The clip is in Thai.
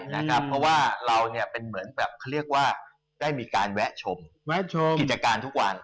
เพราะว่าเราเป็นเหมือนแบบเขาเรียกว่าได้มีการแวะชมแวะชมกิจการทุกวัน